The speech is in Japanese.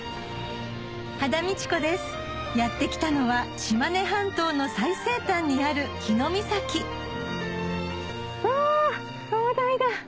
羽田美智子ですやって来たのは島根半島の最西端にあるうわ灯台だ。